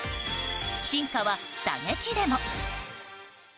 進化は打撃でも。